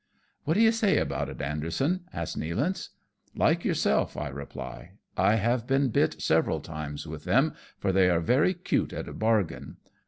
" What do you say about it, Anderson ?" asks Nealance. " Like yourself," I reply, " I have been bit several times with them, for they are very cute at a bargain.